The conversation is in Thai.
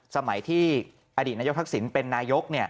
สมัยที่อดีตนายกทักษิณเป็นนายก